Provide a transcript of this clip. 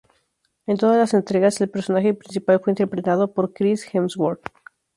En todas las entregas el personaje principal fue interpretado por Chris Hemsworth.